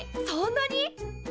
そんなに！？